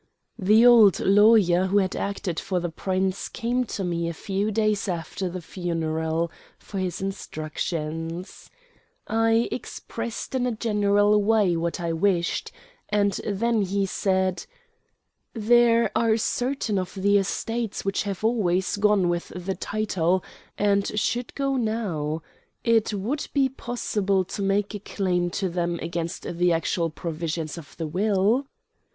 The old lawyer who had acted for the Prince came to me a few days after the funeral for his instructions. I expressed in a general way what I wished, and then he said: "There are certain of the estates which have always gone with the title, and should go now. It would be possible to make a claim to them against the actual provisions of the will."